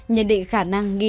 nhận định khả năng nghi cáo